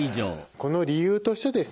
この理由としてですね